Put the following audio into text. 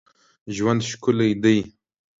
ژوند ښکلی دی